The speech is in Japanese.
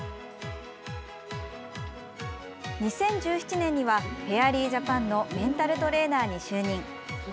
２０１７年にはフェアリージャパンのメンタルトレーナーに就任。